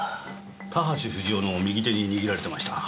田橋不二夫の右手に握られてました。